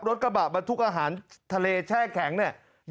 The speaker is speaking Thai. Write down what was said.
รถกระบะบันทุกอาหารทะเลแช่แข็งเนี้ย